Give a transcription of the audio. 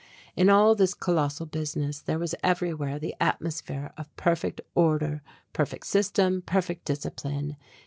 In all this colossal business there was everywhere the atmosphere of perfect order, perfect system, perfect discipline.